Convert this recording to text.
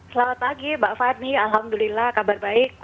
selamat pagi mbak fani alhamdulillah kabar baik